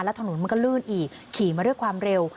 แล้วถนนมันก็ลื่นอีกขี่มาด้วยความเร็ว